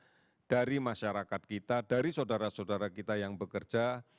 kita tahu sebagian besar dari masyarakat kita dari saudara saudara kita yang bekerja